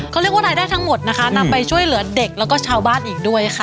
เขาเรียกว่ารายได้ทั้งหมดนะคะนำไปช่วยเหลือเด็กแล้วก็ชาวบ้านอีกด้วยค่ะ